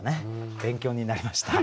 勉強になりました。